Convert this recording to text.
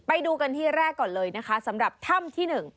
ไปดูกันที่แรกก่อนเลยนะคะสำหรับถ้ำที่หนึ่ง